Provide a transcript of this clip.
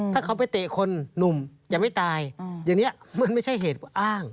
ถ้าเขาไปเตะคนหนุ่มจะไม่ตายอย่างนี้มันไม่ใช่เหตุอ้าง